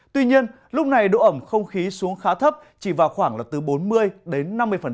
tuy nhiên lúc này độ ẩm không khí xuống khá thấp chỉ vào khoảng là từ bốn mươi đến năm mươi